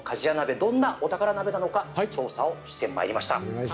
どんなお宝鍋なのか調査してまいりました。